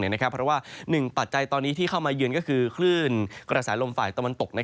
เพราะว่าหนึ่งปัจจัยตอนนี้ที่เข้ามาเยือนก็คือคลื่นกระแสลมฝ่ายตะวันตก